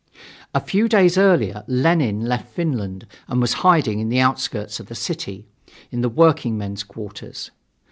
A few days earlier Lenin left Finland and was hiding in the outskirts of the city, in the workingmen's quarters.